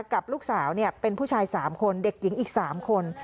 กับลูกสาวเป็นผู้ชาย๓คนเด็กหญิงอีก๓คน